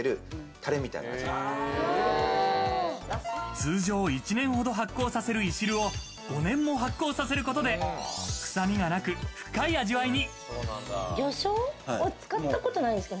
通常１年ほど発酵させる、いしるを５年も発酵させることで、臭みがなく、深い味わいに。